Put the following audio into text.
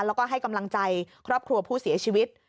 แล้วก็ให้กำลังใจครอบครัวผู้เสียชีวิต